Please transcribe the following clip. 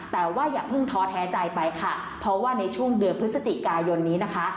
แต่ว่าอย่าเพิ่งท้อแท้ใจไปค่ะเพราะว่าในช่วงเดือนพฤศจิกายนนี้นะคะ